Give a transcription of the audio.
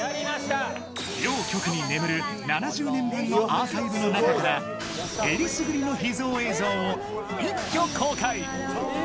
両局に眠る７０年分のアーカイブの中から、えりすぐりの秘蔵映像を一挙公開。